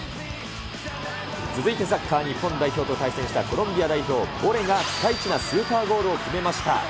続いてサッカー日本代表と対戦したコロンビア代表、ボレがピカイチなスーパーゴールを決めました。